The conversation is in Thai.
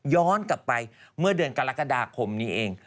ย้อนกลับไปเมื่อเดือนกรกฎาคมนี้เอง